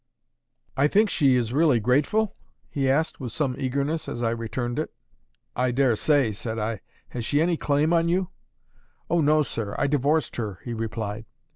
"I think she is really grateful?" he asked, with some eagerness, as I returned it. "I daresay," said I. "Has she any claim on you?" "O no, sir. I divorced her," he replied.